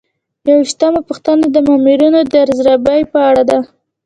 یوویشتمه پوښتنه د مامورینو د ارزیابۍ په اړه ده.